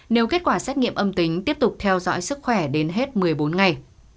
nếu kết quả xét nghiệm âm tính tiếp tục theo dõi sức khỏe đến hết một mươi bốn ngày